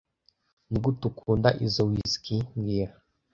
Nigute ukunda izoi whisky mbwira